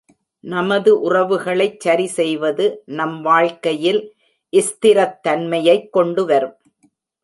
நமது உறவுகளைச் சரிசெய்வது நம் வாழ்க்கையில் ஸ்திரத்தன்மையைக் கொண்டுவரும்.